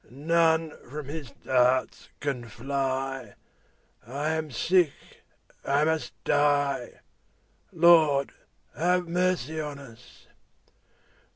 None from his darts can fly; 5 I am sick, I must die— Lord, have mercy on us!